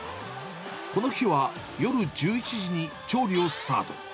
この日は、夜１１時に調理をスタート。